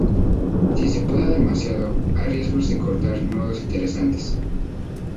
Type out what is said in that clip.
Si se poda demasiado, hay riesgos de cortar nodos interesantes.